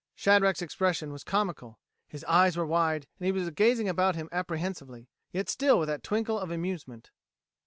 Shadrack's expression was comical: his eyes were wide and he was gazing about him apprehensively, yet still with that twinkle of amusement.